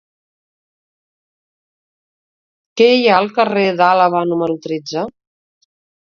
Què hi ha al carrer d'Àlaba número tretze?